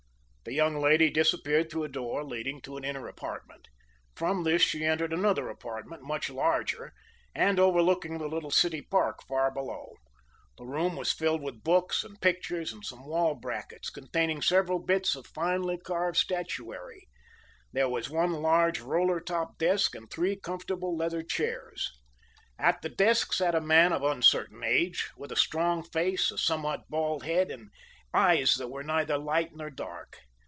The young lady disappeared through a door leading to an inner apartment. From this she entered another apartment, much larger, and overlooking the little city park far below. The room was filled with books and pictures, and some wall brackets contained several bits of finely carved statuary. There was one large roller top desk and three comfortable leather chairs. At the desk sat a man of uncertain age, with a strong face, a somewhat bald head, and eyes that were neither light nor dark.